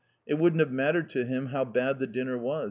It wouldn't have mattered to him how bad the dinner was.